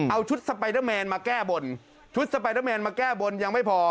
เอาชุดสไปเดอร์แมนมาแก้บนชุดสไปเดอร์แมนมาแก้บนยังไม่พอ